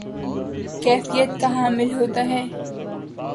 کیفیت کا حامل ہوتا ہے